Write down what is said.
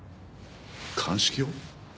鑑識を？